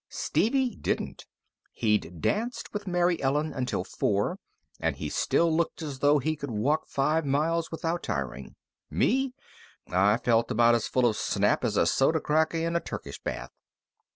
Stevie didn't. He'd danced with Mary Ellen until four, and he still looked as though he could walk five miles without tiring. Me, I felt about as full of snap as a soda cracker in a Turkish bath.